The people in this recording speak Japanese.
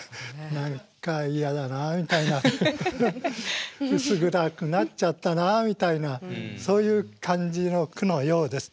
何か嫌だなみたいな薄暗くなっちゃったなみたいなそういう感じの句のようです。